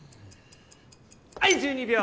はい１２秒！